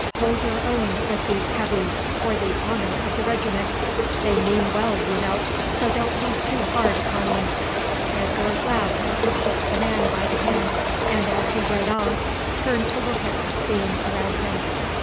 "Hold your own with these heavies for the honour of the regiment. They mean well, you know, so don't be too hard upon them." Edgar laughed as he shook the man by the hand, and as he rode off turned to look at the scene around him.